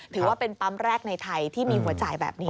ถือว่าเป็นปั๊มแรกในไทยที่มีหัวจ่ายแบบนี้